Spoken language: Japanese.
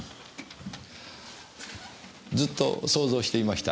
ずっと想像していました。